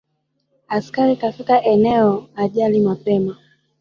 Askari kafika eneyo ajali mapema